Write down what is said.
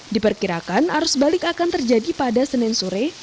diperkirakan arus balik akan terjadi pada senin sore